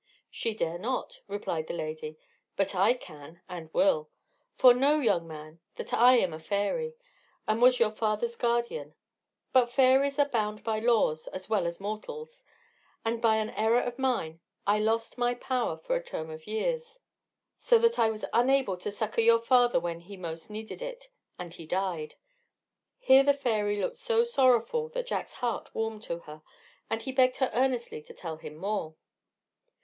"She dare not," replied the lady, "but I can and will. For know, young man, that I am a fairy, and was your father's guardian. But fairies are bound by laws as well as mortals; and by an error of mine I lost my power for a term of years, so that I was unable to succour your father when he most needed it, and he died." Here the fairy looked so sorrowful that Jack's heart warmed to her, and he begged her earnestly to tell him more.